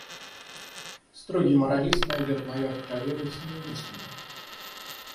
Строгий моралист найдет мою откровенность неуместною.